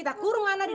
bayar pake tisu